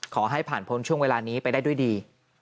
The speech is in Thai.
ขอให้ผ่านพ้นช่วงเวลานี้ไปได้ด้วยดี